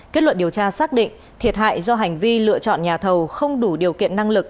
kết luận điều tra xác định thiệt hại do hành vi lựa chọn nhà thầu không đủ điều kiện năng lực